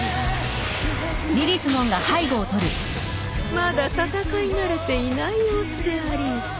まだ戦い慣れていない様子でありんす。